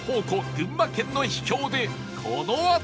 群馬県の秘境でこのあと